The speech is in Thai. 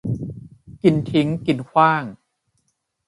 กินทิ้งกินขว้าง